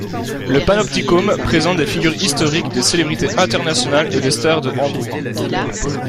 Le Panoptikum présente des figures historiques, des célébrités internationales et des stars de Hambourg.